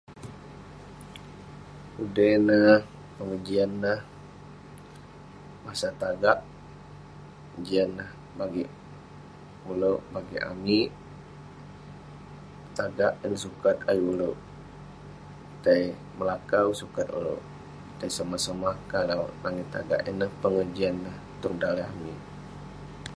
Ude neh jian neh madam tanak jian neh bagik oluek bagik amik sajak eh sukat ayuk oleuk tai melakau sukat oleuk tai semah-semah kalau langit tagak ineh pegejian neh tong daleh amik